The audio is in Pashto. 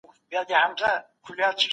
مهارتونه او پوهه د سرمایې اصلي برخه ده.